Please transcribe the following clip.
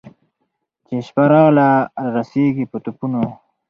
چي شپه راغله رارسېږي په ټوپونو